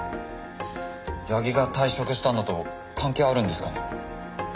矢木が退職したのと関係あるんですかね？